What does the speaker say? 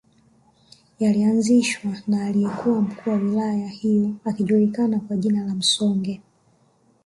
Yalianzishwa na aliyekuwa mkuu wa wilaya hiyo akijulikana kwa jina la Msonge